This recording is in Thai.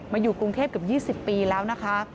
อยู่กรุงเทพเกือบ๒๐ปีแล้วนะคะ